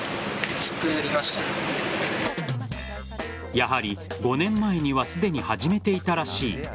やはり、５年前にはすでに始めていたらしい。